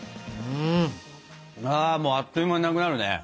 あもうあっという間になくなるね。